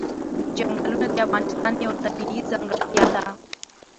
چنګلونه د افغانستان یوه طبیعي ځانګړتیا ده.